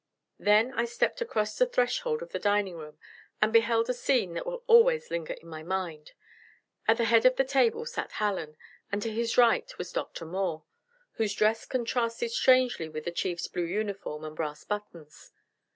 Then I stepped across the threshold of the dining room, and beheld a scene that will always linger in my mind. At the head of the table sat Hallen, and to his right was Dr. Moore, whose dress contrasted strangely with the Chief's blue uniform and brass buttons.